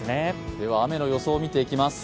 では雨の予想を見ていきます。